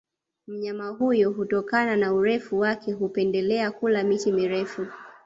Mnyama huyo kutokana na urefu wake hupendelea kula miti mirefu